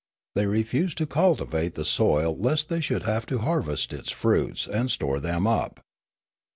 They refused to cultivate the soil lest they should have to harvest its fruits and store them up.